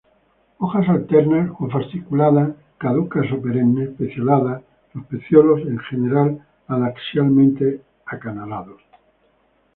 Hojas alternas o fasciculadas, caducas o perennes, pecioladas, los pecíolos en general adaxialmente acanalados.